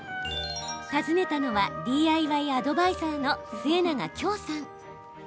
訪ねたのはＤＩＹアドバイザーの末永京さん。